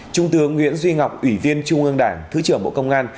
trung tướng nguyễn duy ngọc ủy viên trung ương đảng thứ trưởng bộ công an